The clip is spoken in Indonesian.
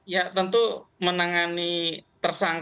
ya tentu menangani persidangan